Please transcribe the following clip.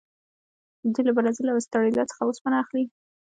دوی له برازیل او اسټرالیا څخه اوسپنه اخلي.